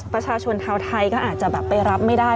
ประชาชนเท้าไทยก็อาจจะไปรับไม่ได้